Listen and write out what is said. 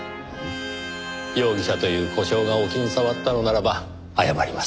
容疑者という呼称がお気に障ったのならば謝ります。